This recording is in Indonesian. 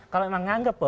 kalau memang menganggap